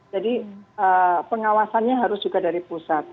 jadi pengawasannya harus juga dari pusat